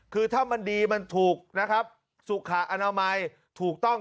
คือถ้ามันดีมันถูกนะครับสุขอนามัยถูกต้อง